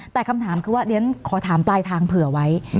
แต่คำถามคือว่าเรียนขอถามปลายทางเผื่อไว้